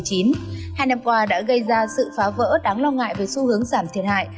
hai năm qua đã gây ra sự phá vỡ đáng lo ngại về xu hướng giảm thiệt hại